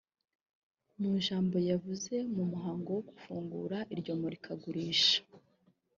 Mu ijambo yavuze mu muhango wo gufungura iryo murikagurisha